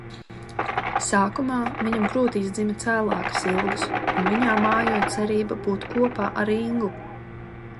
Sākumā viņam krūtīs dzima cēlākas ilgas un viņā mājoja cerība būt kopā ar Ingu.